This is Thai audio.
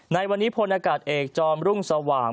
ในวันนี้พลอากาศเอกจอมรุ่งสว่าง